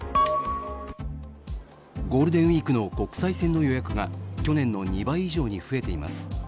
ゴールデンウイークの国際線の予約が去年の２倍以上に増えています。